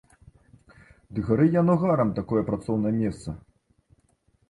Ды гары яно гарам, такое працоўнае месца!